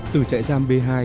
từ trại giam b hai